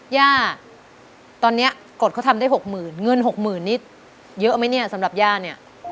ย่าตอนนี้กรดเขาทำได้หกหมื่นเงินหกหมื่นนิดเยอะไหมเนี่ยสำหรับย่าเนี่ย